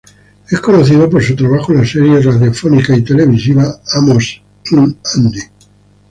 Es conocido por su trabajo en la serie radiofónica y televisiva "Amos 'n' Andy".